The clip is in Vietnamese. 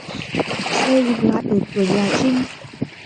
Xe dừng lại ở cửa nhà Trinh